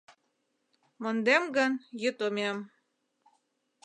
Мондем гын, йӱд омем